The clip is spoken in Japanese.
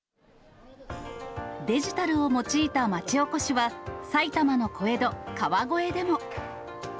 デジタルを用いた町おこしは、埼玉の小江戸、川越でも。